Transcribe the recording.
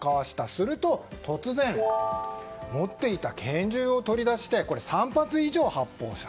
すると突然持っていた拳銃を取り出して３発以上発砲した。